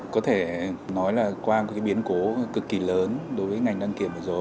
có thể nói là qua một cái biến cố cực kỳ lớn đối với ngành đăng kiểm vừa rồi